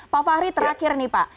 pak fahri terakhir nih pak